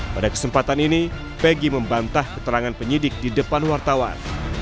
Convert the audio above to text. pada kesempatan ini peggy membantah keterangan penyidik di depan wartawan